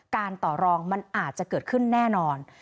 ต่อรองมันอาจจะเกิดขึ้นแน่นอน